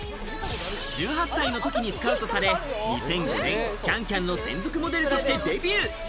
１８歳の時にスカウトされ、２００５年、『ＣａｎＣａｍ』の専属モデルとしてデビュー。